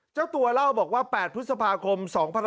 เจ้าตัวเล่าบอกว่า๘พฤษภาคม๒๕๖๒